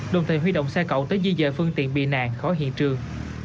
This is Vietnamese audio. đồng thời huy động xe cậu tới di dời phương tiện bị nạn khỏi hiện trường